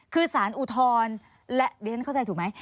คือสารอุทธรณ์และดิฉันเข้าใจถูกไหม